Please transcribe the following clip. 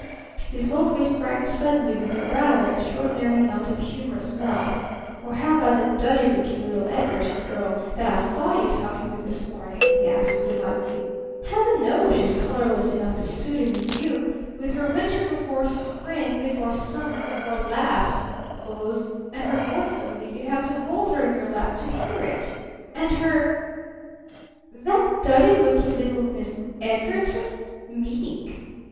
His whole face brightened suddenly with a rather extraordinary amount of humorous malice: "Or how about that duddy looking little Edgarton girl that I saw you talking with this morning?" he asked delightedly. "Heaven knows she's colorless enough to suit even you with her winter before spring before summer before last clothes and her voice so meek you'd have to hold her in your lap to hear it. And her " "That 'duddy looking' little Miss Edgarton meek?"